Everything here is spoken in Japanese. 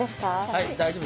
はい大丈夫です。